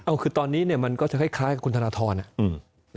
เอาคือตอนนี้มันก็จะคล้ายกับคุณธนทร